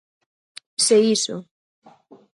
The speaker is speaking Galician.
Se iso.